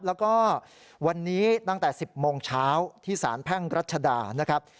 แล้วก็วันนี้ตั้งแต่๑๐โมงเช้าที่สารแพ่งรัชดานะครับ